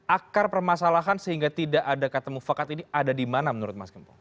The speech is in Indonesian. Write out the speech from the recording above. akar permasalahan sehingga tidak ada ketemu fakat ini ada dimana menurut mas gembong